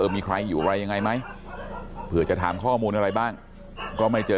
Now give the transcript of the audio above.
มีใครอยู่อะไรยังไงไหมเผื่อจะถามข้อมูลอะไรบ้างก็ไม่เจอ